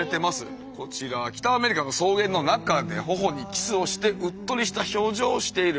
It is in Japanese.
こちら北アメリカの草原の中で頬にキスをしてうっとりした表情をしている。